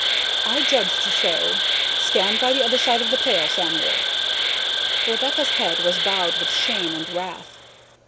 "I judged so. Stand by the other side of the pail, Samuel." Rebecca's head was bowed with shame and wrath.